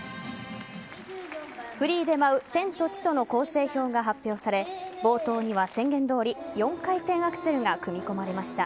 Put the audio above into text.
フリーで舞う「天と地と」の構成表が発表され冒頭には、宣言どおり４回転アクセルが組み込まれました。